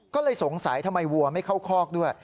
ก็เลยสงสัยทำไมวัวไม่เข้าคอกด้วย